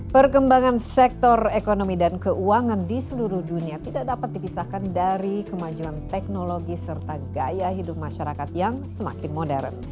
perkembangan sektor ekonomi dan keuangan di seluruh dunia tidak dapat dipisahkan dari kemajuan teknologi serta gaya hidup masyarakat yang semakin modern